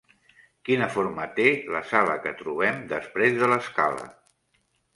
Quina forma té la sala que trobem després de l'escala?